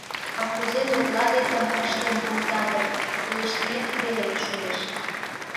А кузе докладетым ыштен колта дык, колыштмет веле шуэш.